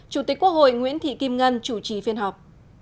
chủ tịch quốc hội nguyễn thị kim ngân chủ trì phiên họp